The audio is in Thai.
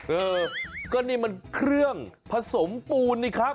เออก็นี่มันเครื่องผสมปูนนี่ครับ